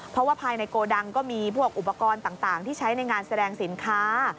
เพราะว่าภายในโกดังก็มีพวกอุปกรณ์ต่างที่ใช้ในงานแสดงสินค้า